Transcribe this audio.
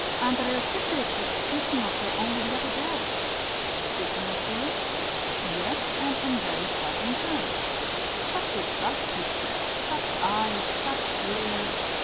Andrey Osipitch was speaking of her only the other day." "Speaking of her?" "Yes, and in very flattering terms. Such a bust, he said, such eyes, such hair....